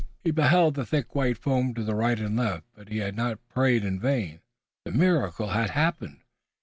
He beheld the thick white foam to right and left, but he had not prayed in vain. The miracle had happened.